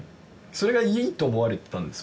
それがいいと思われてたんです